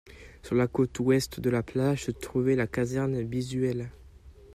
Sur le côté ouest de la place se trouvait la caserne Bissuel.